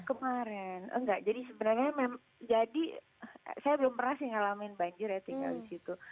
kemarin enggak jadi sebenarnya jadi saya belum pernah sih ngalamin banjir ya tinggal di situ